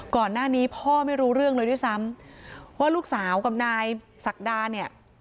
ก่อนหน้านี้พ่อไม่รู้เรื่องเลยด้วยซ้ำว่าลูกสาวกับนายศักดาเนี่ย